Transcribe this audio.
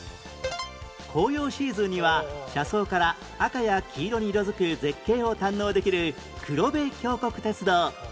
紅葉シーズンには車窓から赤や黄色に色付く絶景を堪能できる黒部峡谷鉄道